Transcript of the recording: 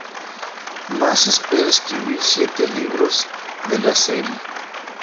Maas espera escribir siete libros de la serie.